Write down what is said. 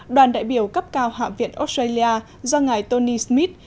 đoàn đại biểu cấp cao hạ viện australia do ngài tony smith